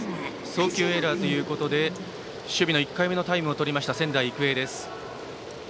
送球エラーということで守備の１回目のタイムを取った仙台育英です。